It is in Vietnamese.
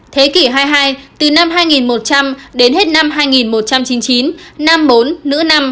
thế kỷ hai mươi hai từ năm hai nghìn một trăm linh đến hết năm hai nghìn một trăm chín mươi chín nam bốn nữ năm